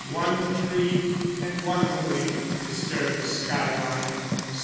One tree, and one only, disturbed the sky line.